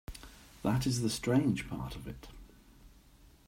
That is the strange part of it.